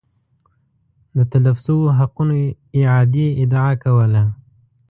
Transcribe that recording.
د تلف شویو حقونو اعادې ادعا کوله